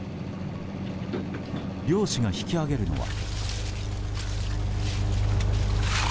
漁師が引き揚げるのは。